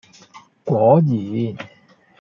果然！